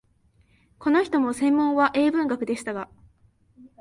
この人も専門は英文学でしたが、